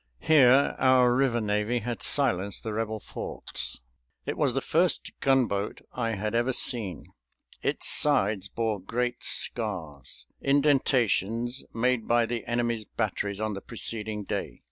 Here our river navy had silenced the Rebel forts. It was the first gunboat I had ever seen. Its sides bore great scars, indentations made by the enemy's batteries on the preceding day.